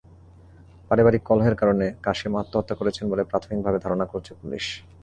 পারিবারিক কলহের কারণে কাশেম আত্মহত্যা করেছেন বলে প্রাথমিকভাবে ধারণা করছে পুলিশ।